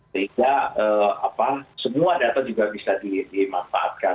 sehingga semua data juga bisa dimanfaatkan